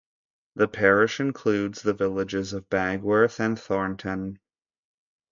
The parish includes the villages of Bagworth and Thornton.